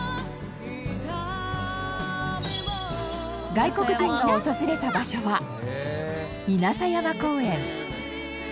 外国人が訪れた場所は稲佐山公園。